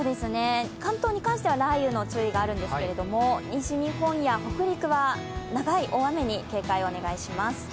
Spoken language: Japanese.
関東に関しては雷雨の注意があるんですけれども、西日本や北陸は長い大雨に警戒をお願いします。